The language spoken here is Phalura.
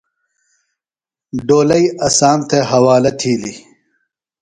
ڈولئی اسام تھےۡ حوالہ تھیلیۡ۔